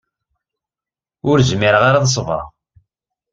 Ur zmireɣ ara ad ṣebṛeɣ.